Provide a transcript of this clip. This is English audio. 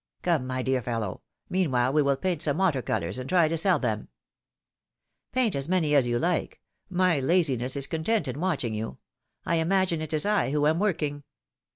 Come, my dear fellow, mean while we will paint some water colors, alid try to sell them !" Paint as many as you like; my laziness is content in watching you; I imagine it is I who am working."